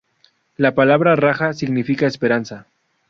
La palabra "Raja" significa "esperanza".